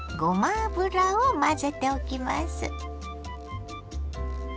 油を混ぜておきます。